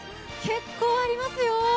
結構ありますよ。